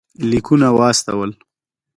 لیکونه واستول.